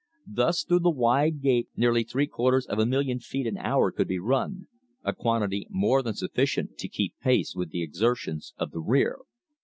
Thus through the wide gate nearly three quarters of a million feet an hour could be run a quantity more than sufficient to keep pace with the exertions of the rear.